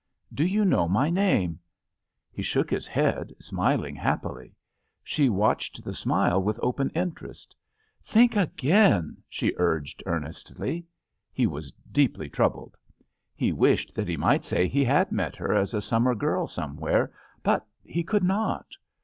Do you know my name?" He shook his head, smiling happily. She watched the smile with open interest. "Think again!" she urged, earnestly. He was deeply troubled. He wished that he might say he had met her as a summer girl somewhere, but he could not.